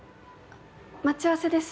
待ち合わせです。